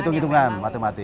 itu hitungan matematis